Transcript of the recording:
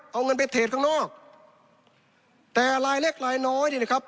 เอาเงินไปเทข้างนอกแต่ลายเล็กลายน้อยนี่นะครับ